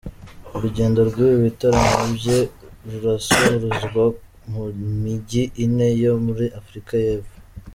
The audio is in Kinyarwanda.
Urugendo rw’ibi bitaramo bye ruzasorezwa mu mijyi ine yo muri Afurika y’Epfo.